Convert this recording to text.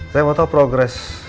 saya mau tau progress